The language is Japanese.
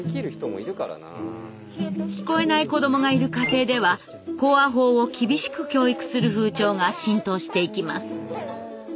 聞こえない子どもがいる家庭では口話法を厳しく教育する風潮が浸透していきます。